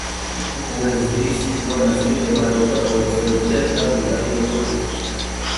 უეზდის შუა ნაწილი მდებარეობდა ბორცვებზე და მდიდარი იყო ტყით.